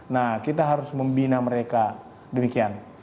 nah kita harus membina mereka demikian